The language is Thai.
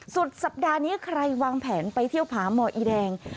สุดสัปดาห์นี้ใครวางแผนไปเที่ยวผาหมออีแดง